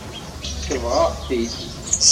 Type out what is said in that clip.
Sebɣeɣ-t-id.